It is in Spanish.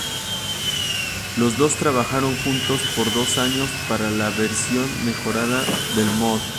Los dos trabajaron juntos por dos años para la versión mejorada del mod.